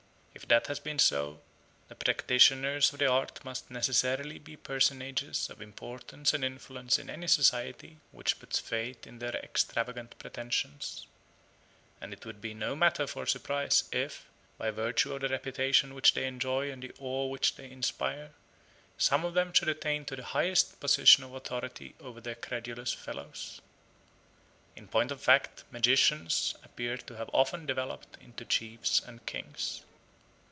If that has been so, the practitioners of the art must necessarily be personages of importance and influence in any society which puts faith in their extravagant pretensions, and it would be no matter for surprise if, by virtue of the reputation which they enjoy and of the awe which they inspire, some of them should attain to the highest position of authority over their credulous fellows. In point of fact magicians appear to have often developed into chiefs and kings.